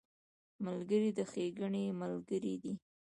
ملګری د ښېګڼې ملګری دی